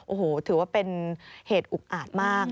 โอ้โหถือว่าเป็นเหตุอุกอาจมาก